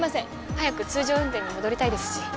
早く通常運転に戻りたいですし。